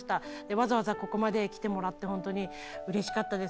わざわざここまで来てもらって、本当にうれしかったです。